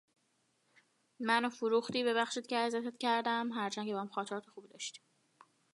هیئت نظارت